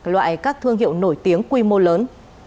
loại các thương hiệu nổi tiếng quy mô lớn